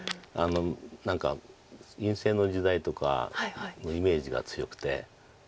何か院生の時代とかのイメージが強くて。